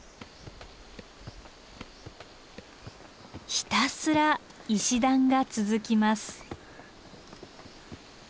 ひたすら石段が続きます。